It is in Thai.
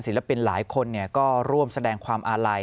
ศิลปินหลายคนก็ร่วมแสดงความอาลัย